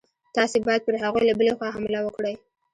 تاسي باید پر هغوی له بلې خوا حمله وکړئ.